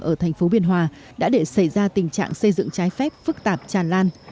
ở thành phố biên hòa đã để xảy ra tình trạng xây dựng trái phép phức tạp tràn lan